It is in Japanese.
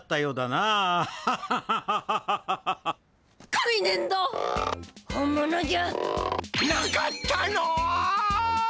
なかったの！？